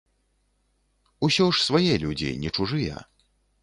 Усё ж свае людзі, не чужыя.